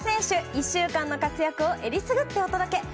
１週間の活躍をえりすぐってお届け。